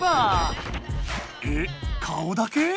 えっ顔だけ？